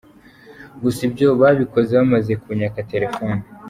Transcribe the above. Gusa ibyo babikoze bamaze kunyaka telephone.